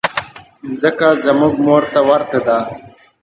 مځکه زموږ مور ته ورته ده.